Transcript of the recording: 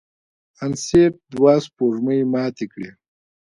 انیسټ دوه سپوږمۍ ماتې کړې.